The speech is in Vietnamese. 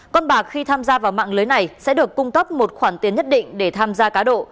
con bạc khi tham gia vào mạng lưới này sẽ được cung cấp một khoản tiền nhất định để tham gia cá độ